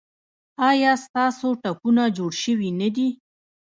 ایا ستاسو ټپونه جوړ شوي نه دي؟